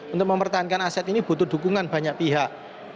untuk mempertahankan aset ini butuh dukungan banyak pihak